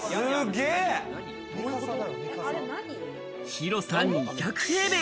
広さ２００平米。